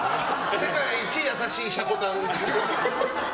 世界一優しいシャコタン。